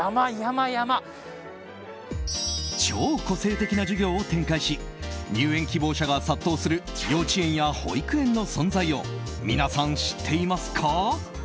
超個性的な授業を展開し入園希望者が殺到する幼稚園や保育園の存在を皆さん、知っていますか？